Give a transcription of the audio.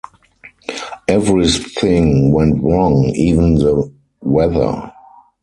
Everything went wrong, even the weather.